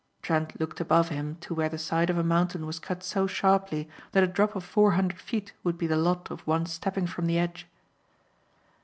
Trent looked above him to where the side of a mountain was cut so sharply that a drop of four hundred feet would be the lot of one stepping from the edge.